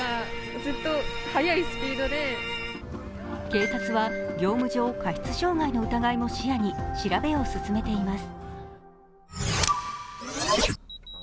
警察は業務上過失傷害の疑いも視野に調べを進めています。